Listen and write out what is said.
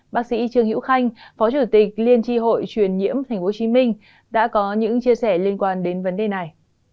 bác sĩ trương hữu khanh phó chủ tịch liên tri hội truyền nhiễm tp hcm đã có những chia sẻ liên quan đến vấn đề này